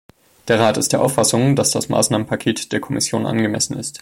Der Rat ist der Auffassung, dass das Maßnahmenpaket der Kommission angemessen ist.